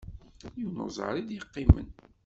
Yiwen uẓar i d-yeqqimen.